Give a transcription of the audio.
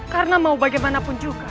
karena mau bagaimanapun juga